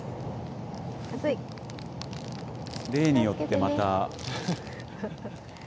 例によってまた。